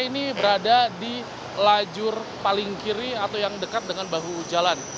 ini berada di lajur paling kiri atau yang dekat dengan bahu jalan